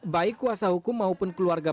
baik kuasa hukum maupun keluarga